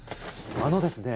あのですね